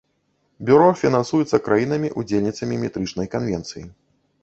Бюро фінансуецца краінамі-удзельніцамі метрычнай канвенцыі.